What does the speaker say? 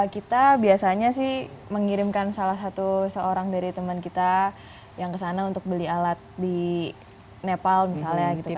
kita biasanya sih mengirimkan salah satu seorang dari teman kita yang kesana untuk beli alat di nepal misalnya gitu kan